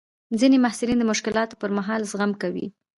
ځینې محصلین د مشکلاتو پر مهال زغم کوي.